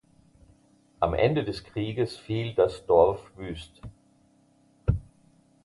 Am Ende des Krieges fiel das Dorf wüst.